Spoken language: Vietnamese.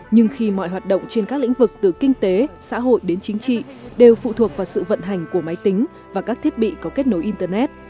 nhưng khi mọi hoạt động trên các lĩnh vực từ kinh tế xã hội đến chính trị đều phụ thuộc vào sự vận hành của máy tính và các thiết bị có kết nối internet